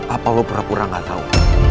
apa lo pura pura gak tahu